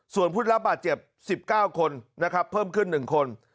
ส่วนผู้ได้รับบาดเจ็บ๑๙คนนะครับเพิ่มขึ้น๑คน